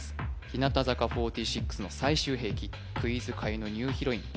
日向坂４６の最終兵器クイズ界のニューヒロイン